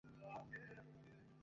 আমার ময়ূর দেখতে হবে।